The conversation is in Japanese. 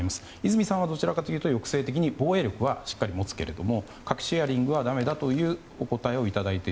泉さんはどちらかというと防衛力はしっかり持つけれども核シェアリングはだめだという意見。